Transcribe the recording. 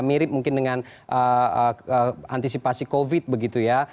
mirip mungkin dengan antisipasi covid sembilan belas begitu ya